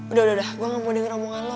udah udah gue gak mau denger omongan lo